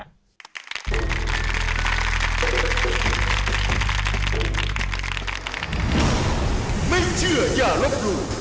เฮ่ยนะครับ